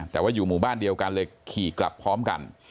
แต่ว่าอยู่หมู่บ้านเดียวกันเลยขี่กลับพร้อมกัน